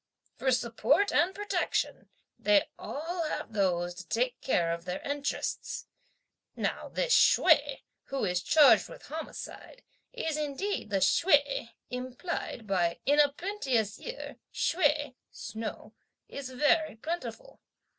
For support and protection, they all have those to take care of their interests! Now this Hsüeh, who is charged with homicide, is indeed the Hsüeh implied by 'in a plenteous year, (Hsüeh,) snow, is very plentiful.'